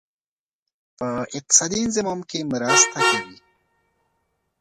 په اقتصادي انضمام کې مرسته کوي.